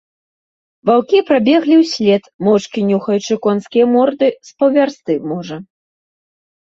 Ваўкі прабеглі ўслед, моўчкі нюхаючы конскія морды, з паўвярсты, можа.